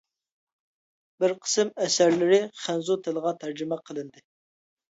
بىر قىسىم ئەسەرلىرى خەنزۇ تىلىغا تەرجىمە قىلىندى.